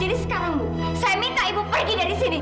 jadi sekarang bu saya minta ibu pergi dari sini